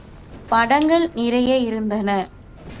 படங்கள் நிறைய இருந்தன.